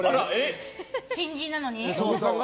新人なのに。